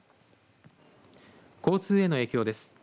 交通への影響です。